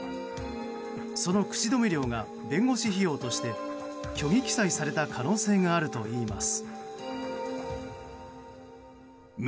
その口止め料が弁護士費用として虚偽記載された可能性があるといいます。